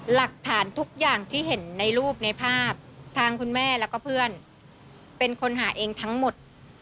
หลักฐานทุกอย่างที่เห็นในรูปในภาพทางคุณแม่แล้วก็เพื่อนเป็นคนหาเองทั้งหมด